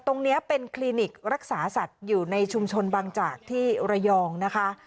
ตรงนี้เป็นคลินิกรักษาสัตว์อยู่ในชุมชนบางจากที่ระยองนะคะ